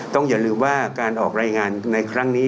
อย่าลืมว่าการออกรายงานในครั้งนี้